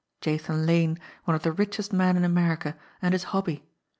Jathan Lane, one of the richest men in America, and his hobby!